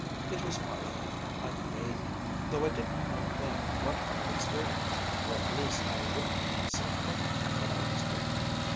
It was my fault. I made him, though I didn't know then what I was doing, or at least I wouldn't let myself think what I was doing.